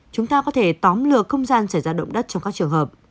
chúng ta có thể tóm lừa không gian xảy ra động đất trong các trường hợp